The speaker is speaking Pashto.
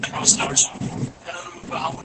بام او در به مې پوهېږم، در او بام كړې